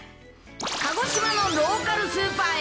鹿児島のローカルスーパーへ！